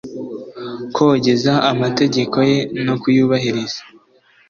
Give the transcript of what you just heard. kogeza amategeko ye no kuyubahiriza